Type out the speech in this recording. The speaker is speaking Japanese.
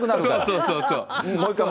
そうそうそう。